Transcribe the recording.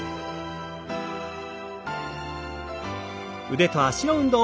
腕と脚の運動。